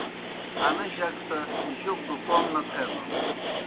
انہ جک سہ جوک گہ کوْم نہ تھینَن۔